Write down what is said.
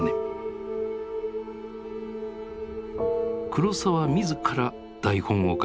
黒澤自ら台本を書き